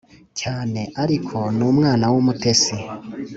cyane ariko ni uwana w’umutesi”